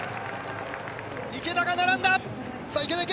池田が並んだ！